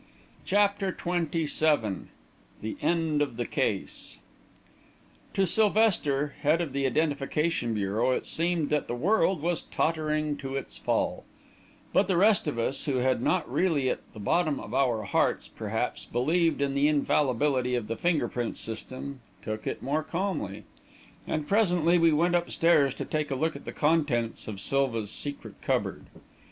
CHAPTER XXVII THE END OF THE CASE To Sylvester, head of the Identification Bureau, it seemed that the world was tottering to its fall; but the rest of us, who had not really at the bottom of our hearts, perhaps, believed in the infallibility of the finger print system, took it more calmly. And presently we went upstairs to take a look at the contents of Silva's secret cupboard.